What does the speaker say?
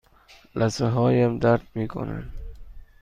لثه هایم درد می کنند.